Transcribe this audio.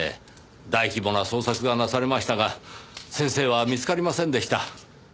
大規模な捜索がなされましたが先生は見つかりませんでした。